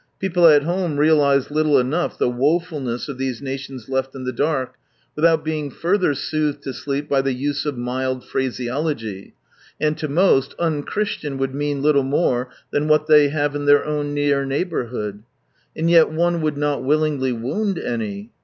People at home realize iiltle enough the woefulness of these nations left in the dark, without being further soothed to sleep by the use of mild phraseolog) , and to most, " unchristian " would mean little more than what they have in their own near neighbourhood. And yet one would not willingly wound any.